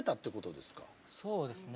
そうですね。